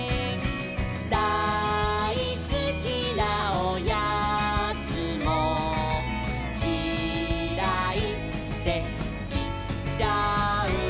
「だいすきなおやつもキライっていっちゃう」